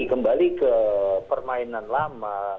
kembali ke permainan lama